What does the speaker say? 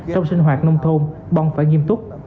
trong sinh hoạt nông thôn bon phải nghiêm túc